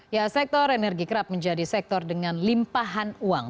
ya sektor energi kerap menjadi sektor dengan limpahan uang